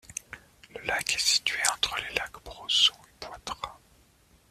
Le lac est situé entre les lacs Brosseau et Poitras.